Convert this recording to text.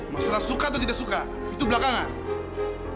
masalah suka atau tidak suka itu belakangan